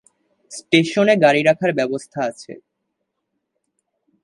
স্টেশনে গাড়ি রাখার ব্যবস্থা আছে।